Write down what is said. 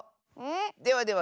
ではでは